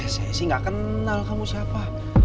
saya sih gak kenal kamu siapa